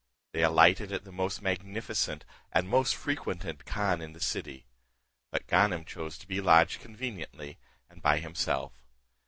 They alighted at the most magnificent and most frequented khan in the city; but Ganem chose to be lodged conveniently, and by himself.